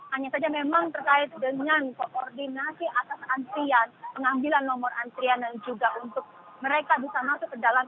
hanya saja memang terkait dengan koordinasi atas antrian pengambilan nomor antrian dan juga untuk mereka bisa masuk ke dalam